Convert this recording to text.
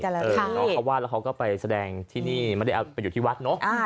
เขาวาดละเขาก็ไปแสดงที่นี่ไม่ได้เป็นอยู่ที่วัดเนอะ